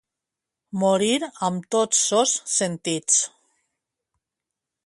Morir amb tots sos sentits.